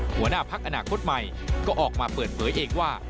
หัวหน้าพักอนาคตใหม่ก็ออกมาเปิดเผยเองว่า